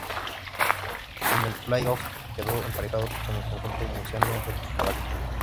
En el "play-off" quedó emparejado con el conjunto murciano del Caravaca.